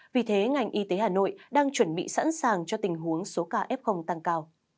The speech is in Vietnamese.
vì thế ngành y tế hà nội đang chuẩn bị sẵn sàng cho tình huống số ca f tăng cao